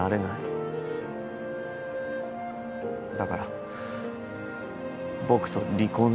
だから僕と離婚した。